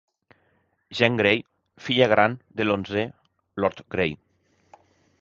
Jean Gray, filla gran de l'onzè Lord Gray.